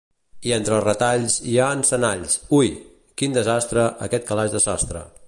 I entre els retalls hi ha encenalls. Ui! Quin desastre, aquest calaix de sastre.